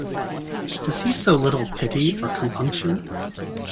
Has he so little pity or compunction?